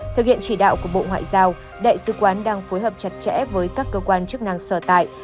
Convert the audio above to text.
thực hiện chỉ đạo của bộ ngoại giao đại sứ quán đang phối hợp chặt chẽ với các cơ quan chức năng sở tại